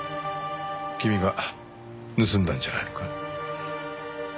君が盗んだんじゃないのか？